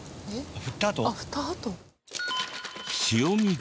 振ったあと？